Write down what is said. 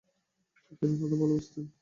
তিনি অত্যন্ত ভালোবাসতেন।